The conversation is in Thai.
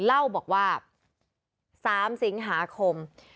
เล่าบอกว่า๓สิงหาคม